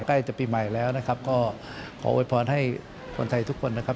ใกล้จะปีใหม่แล้วนะครับก็ขอโวยพรให้คนไทยทุกคนนะครับ